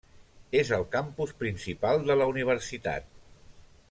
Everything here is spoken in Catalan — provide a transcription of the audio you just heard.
És el campus principal de la universitat.